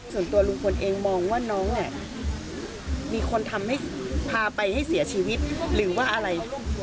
ส่วนตัวลุงพลเองมองว่าน้องมีคนทำให้พาไปให้เสียชีวิตหรือว่าอะไร